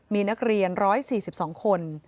มีนักเรียน๑๔๒คน